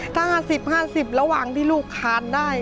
ถ้า๕๐๕๐ระหว่างที่ลูกคานได้